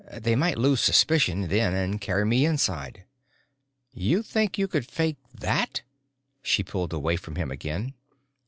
They might lose suspicion then and carry me inside." "You think you could fake that?" She pulled away from him again.